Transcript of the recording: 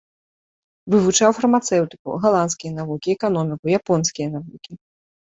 Вывучаў фармацэўтыку, галандскія навукі, эканоміку, японскія навукі.